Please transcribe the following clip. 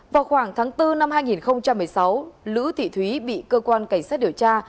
vào khoảng tháng bốn năm hai nghìn một mươi sáu lữ thị thúy bị cơ quan cảnh sát điều tra